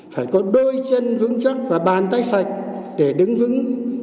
phải có đôi chân vững chắc và bàn tay sạch để đứng vững